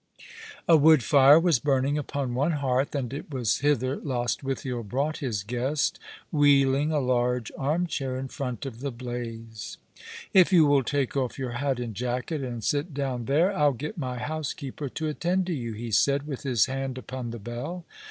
A wood fire was burning upon one hearth, and it was hither Lostwithiel brought his guest, wheeling a large arm chair in front of the blaze. " If you will take off your hat and jacket, and sit down there, I'll get my housekeeper to attend to you," ho said, with his hand upon the bell.